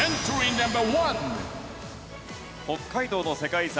北海道の世界遺産